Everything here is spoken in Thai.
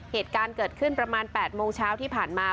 เหตุการณ์เกิดขึ้นประมาณ๘โมงเช้าที่ผ่านมา